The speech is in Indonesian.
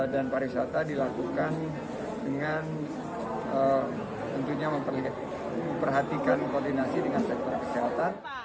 dan pariwisata dilakukan dengan tentunya memperhatikan koordinasi dengan sektor kesehatan